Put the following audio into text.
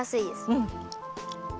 うん。